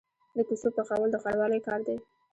د کوڅو پخول د ښاروالۍ کار دی